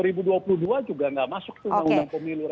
tidak masuk undang undang pemilu